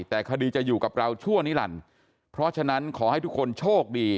แต่คดีจะอยู่กับเราชั่วนิรันดิ์เพราะฉะนั้นขอให้ทุกคนโชคดี